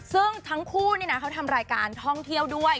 ซึ่งทั้งคู่นี่นะเขาทำรายการท่องเที่ยวด้วย